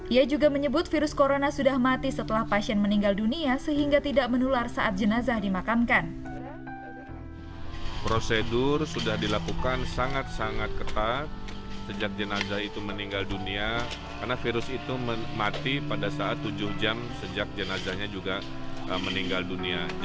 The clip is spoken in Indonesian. ia juga menyebut virus corona sudah mati setelah pasien meninggal dunia sehingga tidak menular saat jenazah dimakamkan